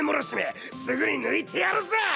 すぐに抜いてやるぜ！